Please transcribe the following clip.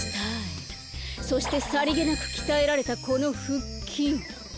そしてさりげなくきたえられたこのふっきん。